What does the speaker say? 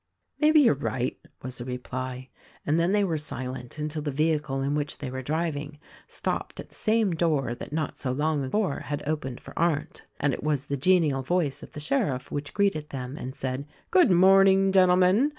"Maybe you're right," was the reply; and then they were silent until the vehicle in which they were driving stopped at the same door that not so long before had opened for Arndt. And it was the genial voice of the sheriff which greeted them and said : "Good morning, Gen tlemen!